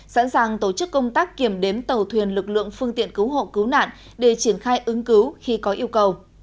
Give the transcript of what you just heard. sẵn sàng tổ chức công tác kiểm đếm tàu thuyền lực lượng phương tiện cứu hộ cứu nạn để triển khai ứng cứu khi có yêu cầu